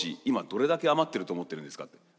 今どれだけ余ってると思っているんですかと。